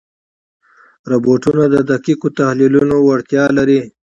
روبوټونه د دقیقو تحلیلونو وړتیا لري.